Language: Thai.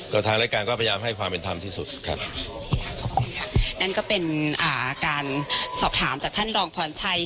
ก็ทางรายการก็พยายามให้ความเป็นธรรมที่สุดครับขอบคุณค่ะนั่นก็เป็นอ่าการสอบถามจากท่านรองพรชัย